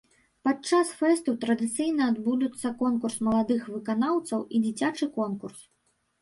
Падчас фэсту традыцыйна адбудуцца конкурс маладых выканаўцаў і дзіцячы конкурс.